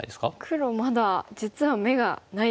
黒まだ実は眼がないですね。